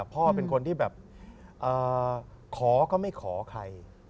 พ่อเป็นคนที่แบบขอก็ไม่ขอใคร